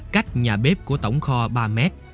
cách nhà bếp của tổng kho ba mét